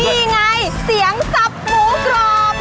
นี่ไงเสียงสับหมูกรอบ